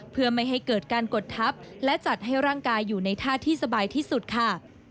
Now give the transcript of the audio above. เพื่อไม่ให้เกิดการกดทับและจัดให้ร่างกายอยู่ในท่าที่สบายที่สุดค่ะ